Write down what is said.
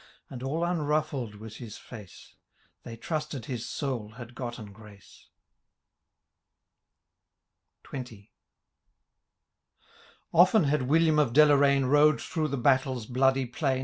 And all unruffled was his face : Thejr trusted his soul had gotten grace. XX. Often had William of Delozaine Bode through the battlers bloody plain.